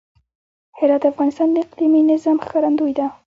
هرات د افغانستان د اقلیمي نظام ښکارندوی ده.